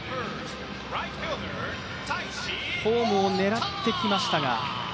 ホームを狙ってきましたが。